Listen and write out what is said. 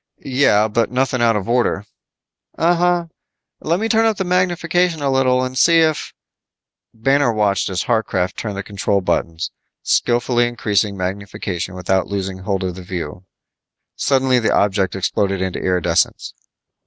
"Yeah, but nothing out of order." "Uh huh. Let me turn up the magnification a little and see if " Banner watched as Harcraft turned control buttons, skillfully increasing magnification without losing the held of view. Suddenly, the object exploded into iridescence.